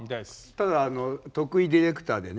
ただ徳井ディレクターでね。